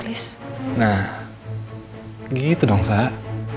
ternyata dia ngajak